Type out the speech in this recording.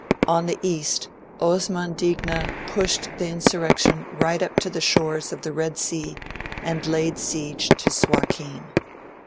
On the East, Osman Digna pushed the insurrection right up to the shores of the Red Sea and laid siege to Suakin.